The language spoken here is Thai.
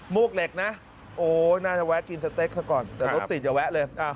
วกเหล็กนะโอ้น่าจะแวะกินสเต็กซะก่อนแต่รถติดอย่าแวะเลย